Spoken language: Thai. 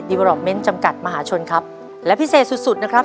วอรอปเมนต์จำกัดมหาชนครับและพิเศษสุดสุดนะครับ